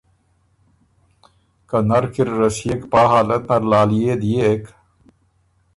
که نر کی ر رسئېک پا حالت نر لالئے دئېک